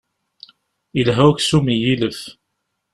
Ilha uksum n yilef.